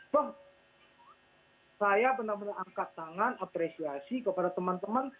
bang saya benar benar angkat tangan apresiasi kepada teman teman